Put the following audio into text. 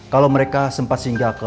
kalau mereka sempat singgah ke